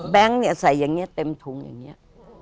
ใส่อย่างนี้เต็มถุงอย่างนี้